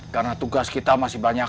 karena tugas kita masih banyak